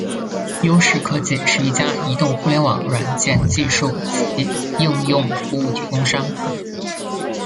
优视科技是一家移动互联网软件技术及应用服务提供商。